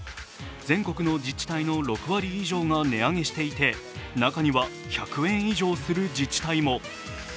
全国の自治体の６割以上が値上げしていて、中には１００円以上する自治体も。